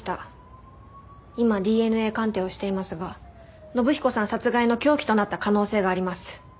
今ＤＮＡ鑑定をしていますが信彦さん殺害の凶器となった可能性があります。